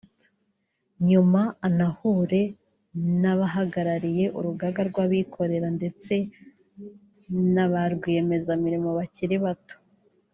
nyuma anahure n’abahagarariye Urugaga rw’Abikorera ndetse na ba rwiyemezamirimo bakiri bato